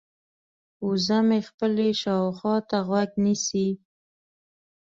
وزه مې خپلې شاوخوا ته غوږ نیسي.